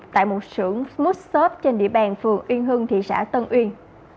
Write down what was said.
tại một sưởng smooth shop trên địa bàn phường uyên hưng thị xã tân uyên